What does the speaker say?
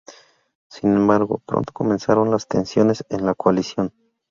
Sin embargo, pronto comenzaron las tensiones en la coalición.